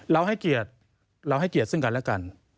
เราให้เกียจเราให้เกียจซึ่งกันและกัน